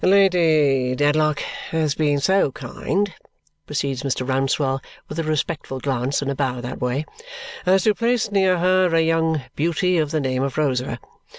"Lady Dedlock has been so kind," proceeds Mr. Rouncewell with a respectful glance and a bow that way, "as to place near her a young beauty of the name of Rosa.